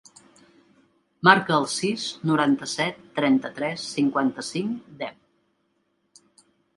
Marca el sis, noranta-set, trenta-tres, cinquanta-cinc, deu.